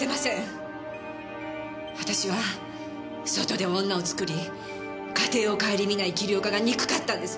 私は外で女を作り家庭を顧みない桐岡が憎かったんです！